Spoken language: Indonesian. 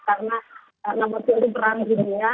karena nomor satu itu perang dunia